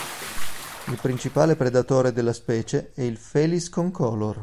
Il principale predatore della specie è il "Felis concolor".